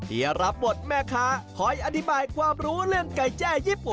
เหลียะรับหมดแม้คะคอยอดีบายความรู้ลึงที่ยังไหว